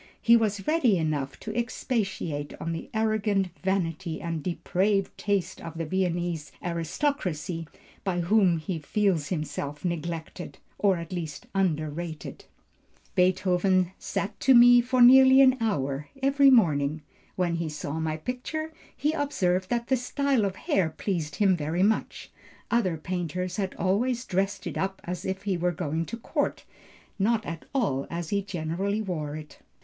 He was ready enough to expatiate on the arrogant vanity and depraved taste of the Viennese aristocracy, by whom he feels himself neglected, or at least underrated." "Beethoven sat to me for nearly an hour every morning. When he saw my picture, he observed that the style of hair pleased him very much; other painters had always dressed it up as if he were going to court, not at all as he generally wore it."